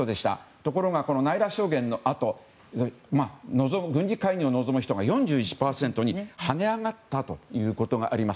ところが、ナイラ証言のあと軍事介入を望む人が４１％に跳ね上がったということがあります。